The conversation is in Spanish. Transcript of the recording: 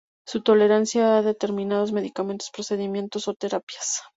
Su tolerancia a determinados medicamentos, procedimientos o terapias.